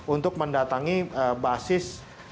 untuk mendatangi basis